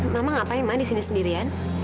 mama ngapain ma disini sendirian